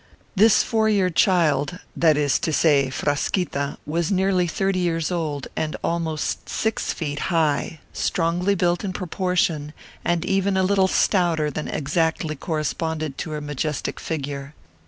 This four year old child, that is to say, Frasquita, was nearly thirty years old, and almost six feet high, strongly built in proportion, and even a little stouter than exactly corresponded to her majestic figure.